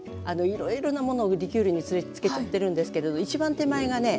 いろいろなものをリキュールに漬けちゃってるんですけれど一番手前がね